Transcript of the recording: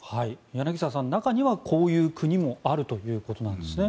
柳澤さん中には、こういう国もあるということなんですね。